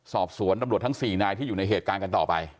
สอบสวนตำรวจทั้ง๔นายที่อยู่ในเหตุการณ์กันต่อไป